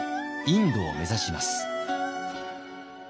インドを目指します。